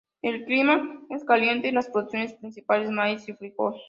El clima es caliente, y las producciones principales: maíz y frijol.